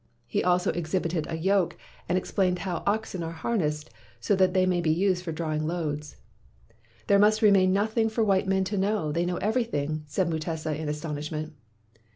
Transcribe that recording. He also exhibited a yoke and explained how oxen are harnessed so that they may be used for drawing loads. "There must remain nothing for white men to know — they know everything!" said Mutesa in his astonishment.